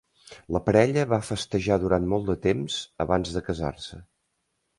La parella va festejar durant molt de temps abans de casar-se.